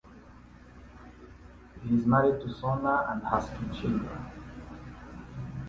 He is married to Sona and has two children.